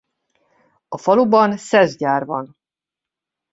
A faluban szeszgyár van.